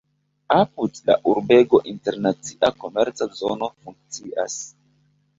Apud la urbego internacia komerca zono funkcias.